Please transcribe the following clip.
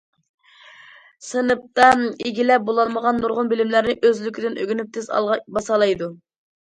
سىنىپتا ئىگىلەپ بولالمىغان نۇرغۇن بىلىملەرنى ئۆزلۈكىدىن ئۆگىنىپ تېز ئالغا باسالايدۇ.